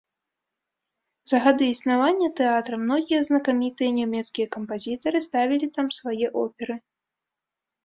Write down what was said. За гады існавання тэатра многія знакамітыя нямецкія кампазітары ставілі там свае оперы.